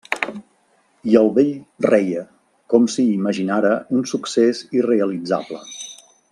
I el vell reia, com si imaginara un succés irrealitzable.